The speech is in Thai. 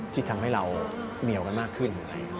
ที่ทำให้เราเหนียวกันมากขึ้น